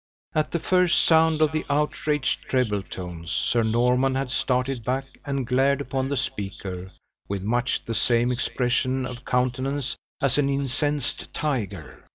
At the first sound of the outraged treble tones, Sir Norman had started back and glared upon the speaker with much the same expression of countenance as an incensed tiger.